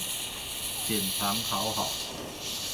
減醣好好